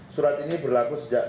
surat ini berlaku sejak